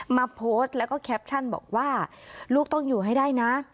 มาโพสต์แล้วก็แคปชั่นบอกว่าลูกต้องอยู่ให้ได้นะ